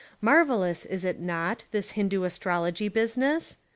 Marvellous, is it not, this Hin doo astrology business?